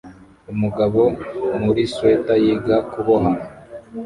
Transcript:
Umugabo muri swater yiga kuboha